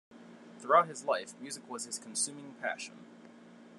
Throughout his life, music was his consuming passion.